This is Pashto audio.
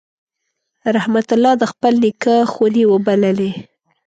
رحمت الله د خپل نیکه خونې وبللې.